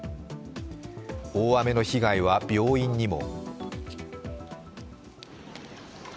大雨の被害は病院にも。